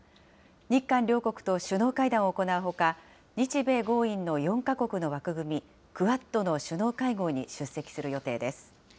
日韓両国と首脳会談を行うほか、日米豪印の４か国の枠組み、クアッドの首脳会合に出席する予定です。